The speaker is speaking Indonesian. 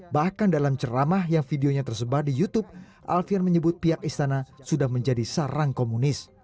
bahkan dalam ceramah yang videonya tersebar di youtube alfian menyebut pihak istana sudah menjadi sarang komunis